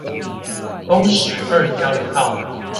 東石二交流道